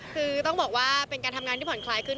คือต้องบอกว่าเป็นการทำงานที่ผ่อนคลายขึ้น